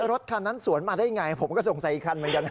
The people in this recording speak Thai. รถคันนั้นสวนมาได้ไงผมก็สงสัยอีกคันเหมือนกันนะ